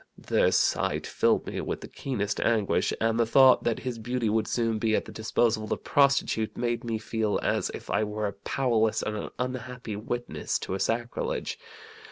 The sight filled me with the keenest anguish, and the thought that his beauty would soon be at the disposal of a prostitute made me feel as if I were a powerless and unhappy witness to a sacrilege.